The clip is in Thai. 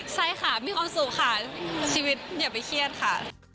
ใช่ค่ะมีความสุขค่ะชีวิตอย่าไปเครียดค่ะ